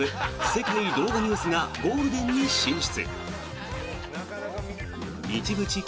世界動画ニュース」がゴールデンに進出！